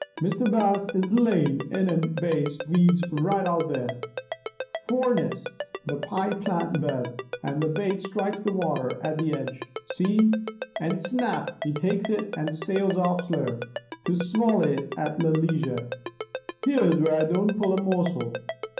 Mr. Bass is layin' in thim bass weeds right out there, foreninst the pie plant bed, and the bait strikes the water at the idge, see! and 'snap,' he takes it and sails off slow, to swally it at leisure. Here's where I don't pull a morsel.